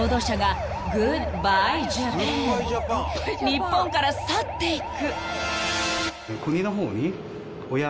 ［日本から去っていく］